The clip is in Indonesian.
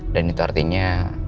dan itu artinya